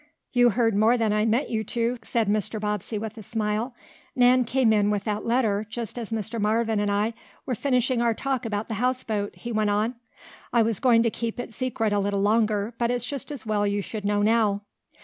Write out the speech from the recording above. "You heard more than I meant you to," said Mr. Bobbsey with a smile. "Nan came in with that letter just as Mr. Marvin and I were finishing our talk about the houseboat," he went on. "I was going to keep it secret a little longer, but it's just as well you should know now.